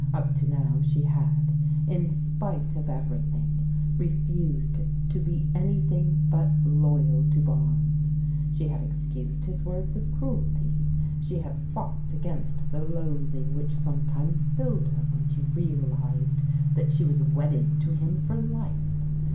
Up to now she had, in spite of everything, refused to be anything but loyal to Barnes. She had excused his words of cruelty. She had fought against the loathing which sometimes filled her when she realized that she was wedded to him for life.